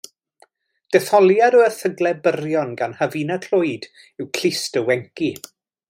Detholiad o erthyglau byrion gan Hafina Clwyd yw Clust y Wenci.